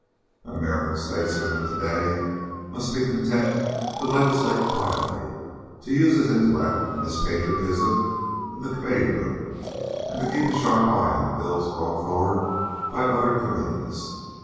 An American statesman of to day must be content to legislate quietly, to use his intellect and his patriotism in the Committee Room, and to keep a sharp eye on the bills brought forward by other Committees.